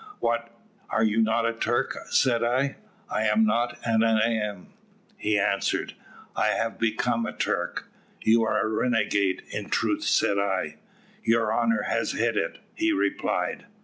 "`What, are you not a Turk?' said I. "`I am not and I am,' he answered; `I have become a Turk.' "`You are a renegade, in truth,' said I. "`Your honour has hit it,' he replied.